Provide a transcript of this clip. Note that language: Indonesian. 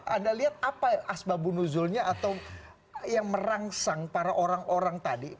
anda lihat apa asbabun nuzulnya atau yang merangsang para orang orang tadi